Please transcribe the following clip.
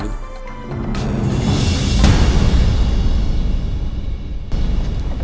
baper amat sih